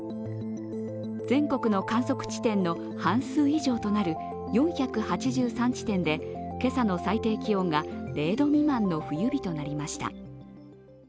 全国の観測地点の半数以上となる４８３地点で今朝の最低気温が０度未満の冬日となりました。